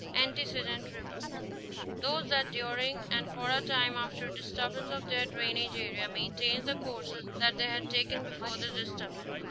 i Antecedent rivers.—Those that during and for a time after a disturbance of their drainage area maintain the courses that they had taken before the disturbance.